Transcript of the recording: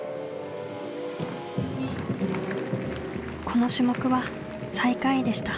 この種目は最下位でした。